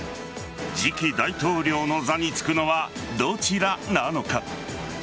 次期大統領の座に就くのはどちらなのか。